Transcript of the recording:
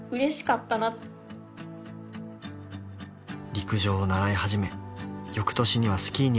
陸上を習い始め翌年にはスキーにも挑戦。